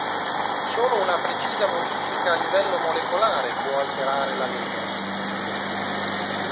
Solo una precisa modifica a livello molecolare può alterare la lega.